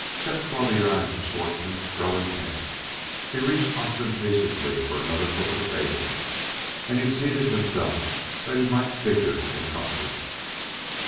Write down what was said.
Chet saw the eyes of Schwartzmann grow intent. He reached ostentatiously for another book of tables, and he seated himself that he might figure in comfort.